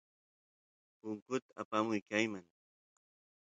punkut apamuy kayman